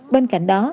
bên cạnh đó